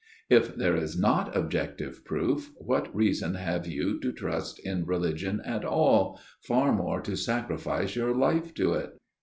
If there is not objective proof, what reason have you to trust in religion at all far more to sacrifice your life to it